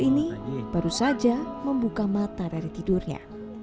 ini baru saja membuka mata dari tidurnya